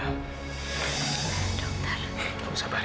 jangan sabar ya